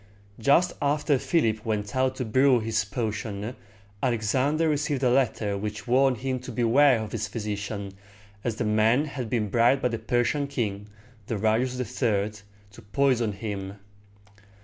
Just after Philip went out to brew this potion, Alexander received a letter which warned him to beware of his physician, as the man had been bribed by the Persian king, Darius III., to poison him.